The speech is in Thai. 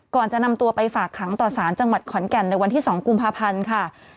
ก่อนจะนำตัวไปฝากขังต่อสารจังหวัดขอนแก่นในวันที่๒กุมภาพันธ์ค่ะ